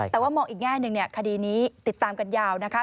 แต่ว่ามองอีกแง่หนึ่งคดีนี้ติดตามกันยาวนะคะ